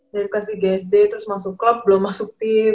dari kelas tiga sd terus masuk club belum masuk tim